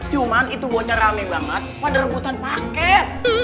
cuman itu bocah rame banget pada rebutan paket